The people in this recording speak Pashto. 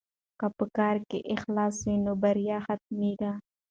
که په کار کې اخلاص وي نو بریا حتمي ده.